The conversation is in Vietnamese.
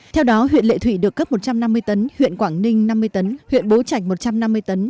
theo đó huyện lệ thủy được cấp một trăm năm mươi tấn huyện quảng ninh năm mươi tấn huyện bố trạch một trăm năm mươi tấn